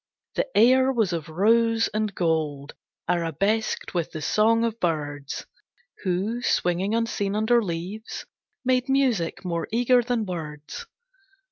The air was of rose and gold Arabesqued with the song of birds Who, swinging unseen under leaves, Made music more eager than words.